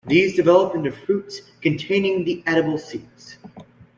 These develop into fruits containing the edible seeds.